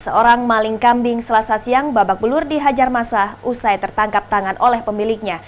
seorang maling kambing selasa siang babak belur dihajar masa usai tertangkap tangan oleh pemiliknya